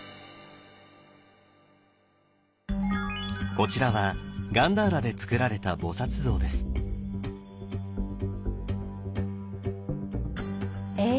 こちらはガンダーラでつくられた菩像です。え！